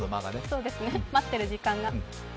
そうですね、待ってる時間が。